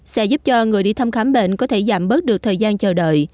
sẽ giúp cho người đi thăm khám bệnh có thể giảm bớt được thời gian chờ đợi